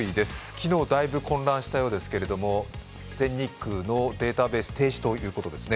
昨日、だいぶ混乱したようですけども、全日空のデータベース、停止ということですね。